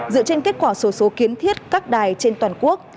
dựa trên kết quả sổ số kiến thiết các đài trên toàn quốc